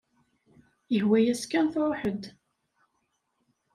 Ihwa-yas kan truḥ-d.